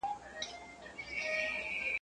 په واکمنيز ارزښت له پيل څخه